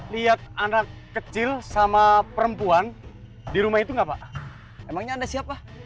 lihat anak kecil sama perempuan di rumah itu enggak pak emangnya anda siapa